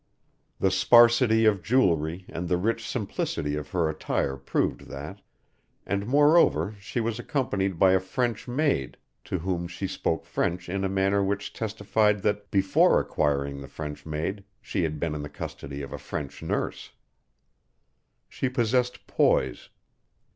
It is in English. The sparsity of jewellery and the rich simplicity of her attire proved that, and moreover she was accompanied by a French maid to whom she spoke French in a manner which testified that before acquiring the French maid she had been in the custody of a French nurse. She possessed poise.